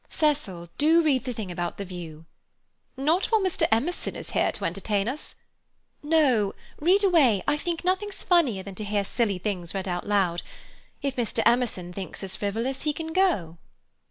"Cecil, do read the thing about the view." "Not while Mr. Emerson is here to entertain us." "No—read away. I think nothing's funnier than to hear silly things read out loud. If Mr. Emerson thinks us frivolous, he can go."